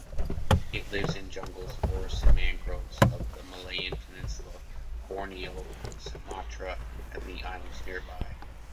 It lives in jungles, forests and mangroves of the Malayan Peninsula, Borneo, Sumatra and the islands nearby.